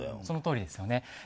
そのとおりですよね。